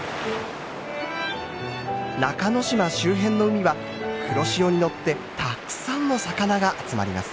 中之島周辺の海は黒潮に乗ってたくさんの魚が集まります。